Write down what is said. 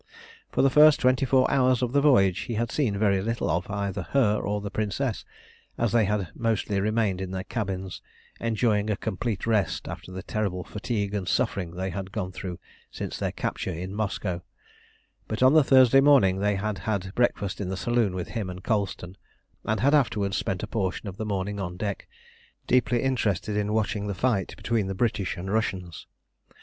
For the first twenty four hours of the voyage he had seen very little of either her or the Princess, as they had mostly remained in their cabins, enjoying a complete rest after the terrible fatigue and suffering they had gone through since their capture in Moscow, but on the Thursday morning they had had breakfast in the saloon with him and Colston, and had afterwards spent a portion of the morning on deck, deeply interested in watching the fight between the British and Russians.